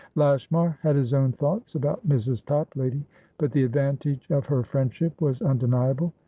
Lashmar had his own thoughts about Mrs. Toplady, but the advantage of her friendship was undeniable.